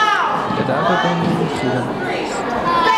پدر به بنیامین خیره مانده است